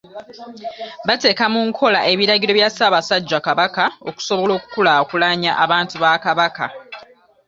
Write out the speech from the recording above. Bateeke mu nkola ebiragiro bya Ssaabasajja Kabaka, okusobola okukulaakulanya abantu ba Kabaka.